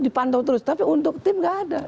dipantau terus tapi untuk tim nggak ada